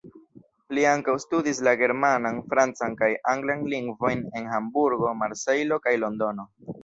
Li ankaŭ studis la germanan, francan kaj anglan lingvojn en Hamburgo, Marsejlo kaj Londono.